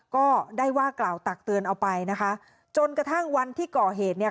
ก็ได้ว่ากล่าวตักเตือนเอาไปนะคะจนกระทั่งวันที่ก่อเหตุเนี่ย